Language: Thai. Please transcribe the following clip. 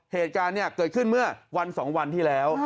เหตุการณ์เกิดขึ้นเมื่อวัน๒วันที่แล้ว